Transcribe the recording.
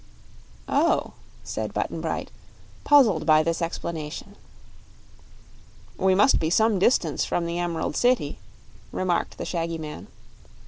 "Oh," said Button Bright, puzzled by this explanation. "We must be some distance from the Emerald City," remarked the shaggy man.